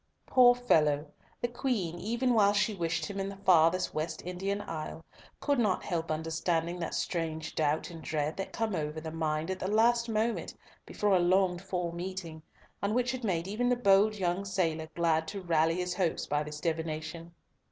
Poor fellow! the Queen, even while she wished him in the farthest West Indian isle, could not help understanding that strange doubt and dread that come over the mind at the last moment before a longed for meeting, and which had made even the bold young sailor glad to rally his hopes by this divination.